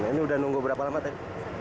sudirman ini udah nunggu berapa lama tadi